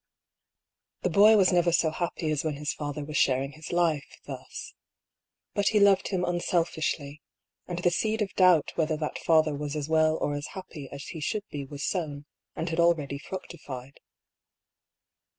The boy was never so happy as when his father was sharing his life, thus. But he loved him unselfishly, 198 DR PAULL'S THEOBY. and the seed of donbt whether that father was as well or as happy as he should be was sown, and had already fructified.